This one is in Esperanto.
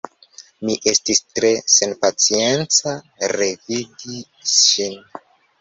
Mi estis tre senpacienca revidi ŝin.